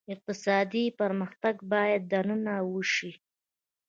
اقتصادي پرمختګ باید دننه وشي.